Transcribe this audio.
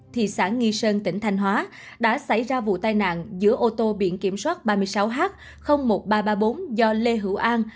thị xã nghi sơn tỉnh thanh hóa đã xảy ra vụ tai nạn giữa ô tô biển kiểm soát ba mươi sáu h một nghìn ba trăm ba mươi bốn do lê hữu an